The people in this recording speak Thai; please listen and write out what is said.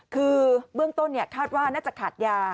คือเบื้องต้นคาดว่าน่าจะขาดยา